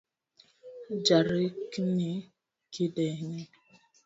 Jarikni kideny